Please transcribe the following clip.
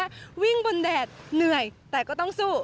ไม่ต้องแพ้วิ่งบนแดดเหนื่อยแต่ก็ต้องสู้